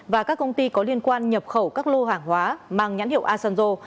và các công ty có liên quan nhập khẩu các lô hàng hóa mang nhãn hiệu asanzo